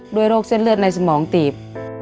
ด้วยโรคเส้นเลือดในสมองติด